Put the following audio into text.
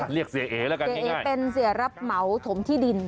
เรียกเสียเอแล้วกันเสียเอเป็นเสียรับเหมาถมที่ดิน